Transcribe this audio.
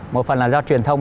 một phần là do truyền thông